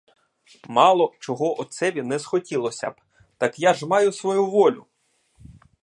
Мало чого отцеві не схотілося б, так я ж маю свою волю.